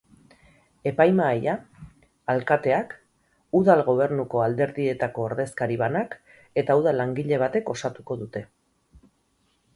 Epaimahaia alkateak, udal gobernuko alderdietako ordezkari banak eta udal langile batek osatuko dute.